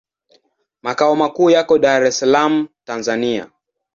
Makao makuu yako Dar es Salaam, Tanzania.